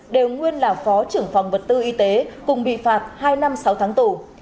đều nguyên là phó trưởng phòng vật tư y tế cùng bị phạt hai năm sáu tháng tù